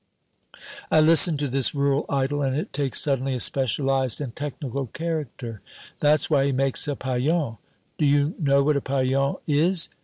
I listen to this rural idyll, and it takes suddenly a specialized and technical character: "That's why he makes a paillon. D'you know what a paillon is?